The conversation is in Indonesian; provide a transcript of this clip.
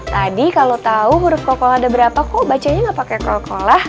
tadi kalau tahu huruf kokoh ada berapa kok bacanya nggak pakai kolkolah